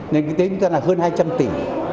nền kinh tế chúng ta là hơn hai trăm linh tỷ